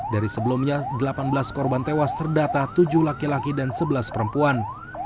dari sebelumnya delapan belas korban tewas terdata tujuh laki laki dan sebelas perempuan